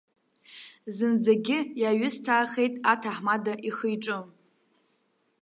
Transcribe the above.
Зынӡагьы иаҩысҭаахеит аҭаҳмада ихы-иҿы.